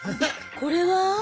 これは？